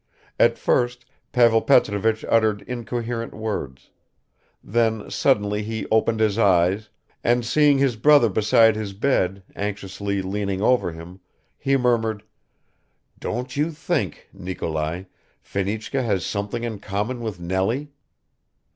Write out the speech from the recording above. At first Pavel Petrovich uttered incoherent words; then suddenly he opened his eyes, and seeing his brother beside his bed, anxiously leaning over him, he murmured, "Don't you think, Nikolai, Fenichka has something in common with Nellie?"